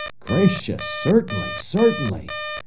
"Gracious! Certainly, certainly!"